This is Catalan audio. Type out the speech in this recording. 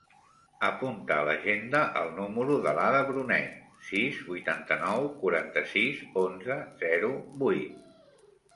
Apunta a l'agenda el número de l'Ada Brunet: sis, vuitanta-nou, quaranta-sis, onze, zero, vuit.